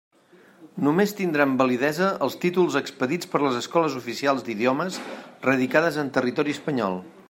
Només tindran validesa els títols expedits per les escoles oficials d'idiomes radicades en territori espanyol.